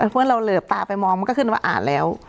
เพื่อนเราเหลือบตาไปมองมันก็ขึ้นว่าอ่านแล้ว